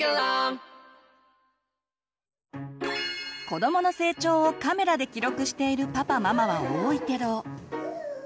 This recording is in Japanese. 子どもの成長をカメラで記録しているパパママは多いけど。